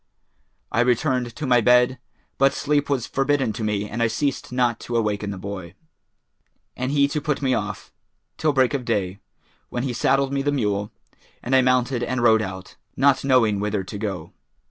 I returned to my bed, but sleep was forbidden to me and I ceased not to awaken the boy, and he to put me off, till break of day, when he saddled me the mule, and I mounted and rode out, not knowing whither to go.